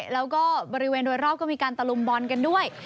แล้วก็บริเวณโดยรอบก็มีการตะลุมบอลกันด้วย